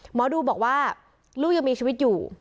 หมอดูบอกว่าลูกยังมีชีวิตอยู่